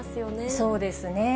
そうですね。